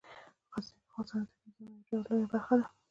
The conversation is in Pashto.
غزني د افغانستان د طبیعي زیرمو یوه ډیره لویه برخه ده.